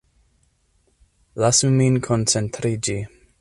Lasu min koncentriĝi.